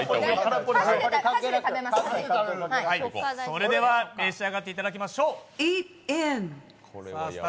それでは召し上がっていただきましょう「イートイン」。